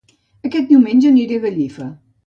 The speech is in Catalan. Aquest diumenge aniré a Gallifa